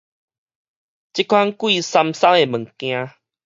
這款貴參參的物件